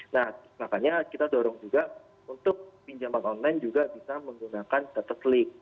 nah makanya kita dorong juga untuk pinjaman online juga bisa menggunakan data klik